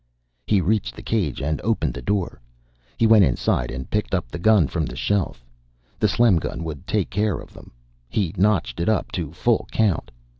He reached the cage and opened the door. He went inside and picked up the gun from the shelf. The Slem gun would take care of them. He notched it up to full count.